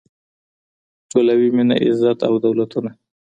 ټولوي مینه عزت او دولتونه